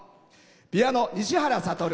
ピアノ、西原悟。